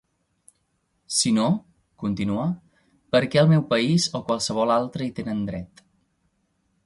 Si no –continua–, per què el meu país, o qualsevol altre, hi tenen dret?